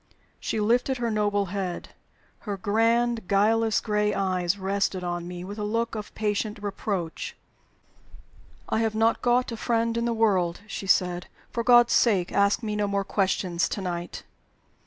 She lifted her noble head. Her grand, guileless gray eyes rested on me with a look of patient reproach. "I have not got a friend in the world," she said. "For God's sake, ask me no more questions to night!"